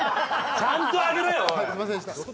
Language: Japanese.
ちゃんと上げろよ！